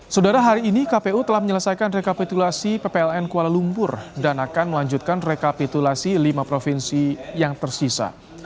saudara hari ini kpu telah menyelesaikan rekapitulasi ppln kuala lumpur dan akan melanjutkan rekapitulasi lima provinsi yang tersisa